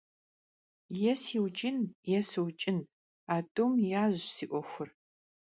Yê siuç'ın, yê sıuç'ın, a t'um yazş si 'Uexur.